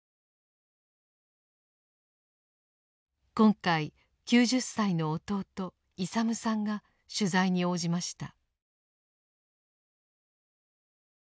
今回９０歳の弟勇さんが取材に応じました。